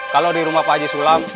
kalau di rumah pak haji sulam